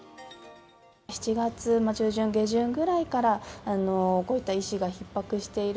７月中旬、下旬ぐらいから、医師がひっ迫している。